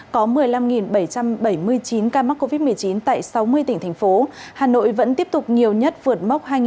có một mươi năm bảy trăm bảy mươi chín ca mắc covid một mươi chín tại sáu mươi tỉnh thành phố hà nội vẫn tiếp tục nhiều nhất vượt mốc hai tám trăm linh ca